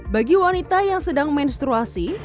bagi wanita yang sedang menstruasi